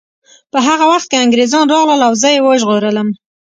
په هغه وخت کې انګریزان راغلل او زه یې وژغورلم